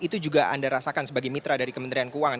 itu juga anda rasakan sebagai mitra dari kementerian keuangan